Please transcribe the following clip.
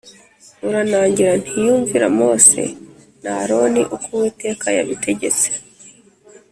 uranangira ntiyumvira Mose na Aroni uko Uwiteka yabitegetse.